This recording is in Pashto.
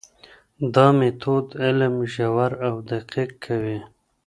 دا مېتود علم ژور او دقیق کوي.